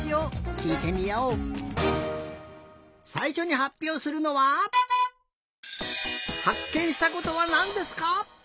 さいしょにはっぴょうするのは「はっけんしたことはなんですか？」。